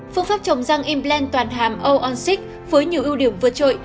phương pháp trồng răng implant toàn hàm o on sáu với nhiều ưu điểm vượt trội